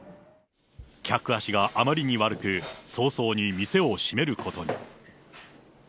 客足があまりに悪く、早々に店を閉めることに。